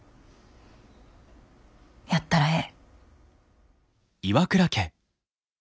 やったらええ。